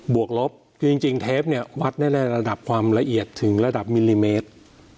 วกลบคือจริงเทปเนี่ยวัดได้ในระดับความละเอียดถึงระดับมิลลิเมตร